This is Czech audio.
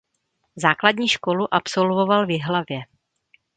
Základní školu absolvoval v Jihlavě.